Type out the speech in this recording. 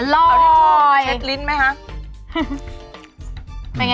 อร่อยจริงออร่อยจริงอ